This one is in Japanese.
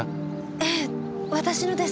ええ私のです。